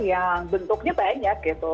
yang bentuknya banyak gitu